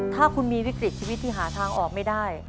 ถ้าคุณมีวิกฤตชีวิตที่หาทางออกไม่ได้